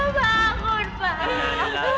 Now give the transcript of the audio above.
sampai pulang pak